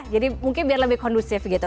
jadi mungkin biar lebih kondusif gitu